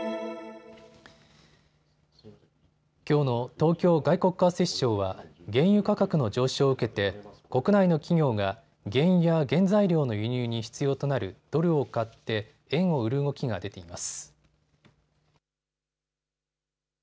きょうの東京外国為替市場は原油価格の上昇を受けて国内の企業が原油や原材料の輸入に必要となるドルを買って円を売る動きが出ています。